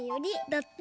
だって。